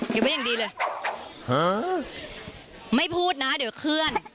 ไว้อย่างดีเลยไม่พูดนะเดี๋ยวเคลื่อน